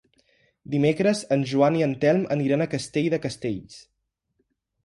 Dimecres en Joan i en Telm aniran a Castell de Castells.